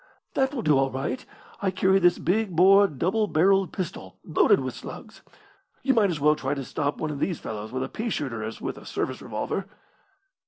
"That will do all right. I carry this big bore double barrelled pistol loaded with slugs. You might as well try to stop one of these fellows with a pea shooter as with a service revolver."